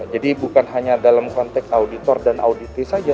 jadi bukan hanya dalam konteks auditor dan auditi saja